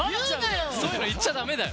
そういうの言っちゃだめだよ。